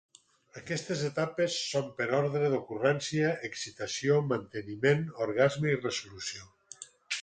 Aquestes etapes són, per ordre d'ocurrència, excitació, manteniment, orgasme i resolució.